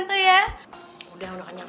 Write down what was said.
udah udah kenyang banget